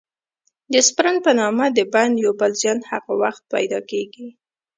د سپرن په نامه د بند یو بل زیان هغه وخت پیدا کېږي.